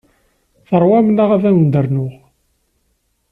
Teṛwam neɣ ad wen-d-rnuɣ?